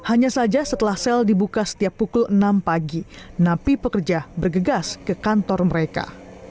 hanya saja setelah sel dibuka setiap pukul enam pagi napi pekerja bergegas ke kantor mereka